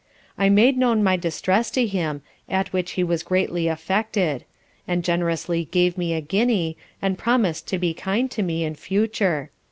I made known my distress to him, at which he was greatly affected; and generously gave me a guinea; and promis'd to be kind to me in future.